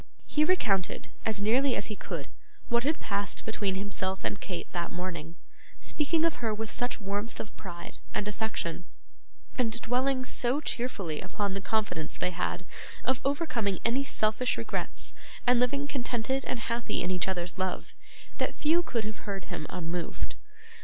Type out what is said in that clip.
He recounted, as nearly as he could, what had passed between himself and Kate that morning: speaking of her with such warmth of pride and affection, and dwelling so cheerfully upon the confidence they had of overcoming any selfish regrets and living contented and happy in each other's love, that few could have heard him unmoved.